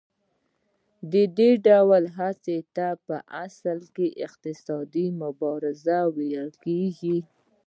دې ډول هڅو ته په اصل کې اقتصادي مبارزه ویل کېږي